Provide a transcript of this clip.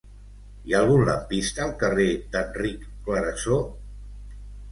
Hi ha algun lampista al carrer d'Enric Clarasó?